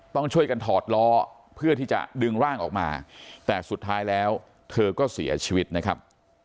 ต้องช่วยกันถอดล้อเพื่อที่จะดึงร่างออกมาแต่สุดท้ายแล้วเธอก็เสียชีวิตนะครับ